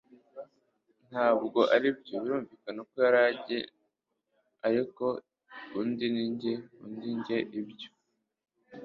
ntabwo aribyo. birumvikana ko yari njye, ariko undi ni njye. undi njye ibyo